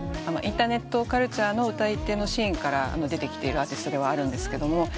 インターネットカルチャーの歌い手のシーンから出てきているアーティストではあるんですけども。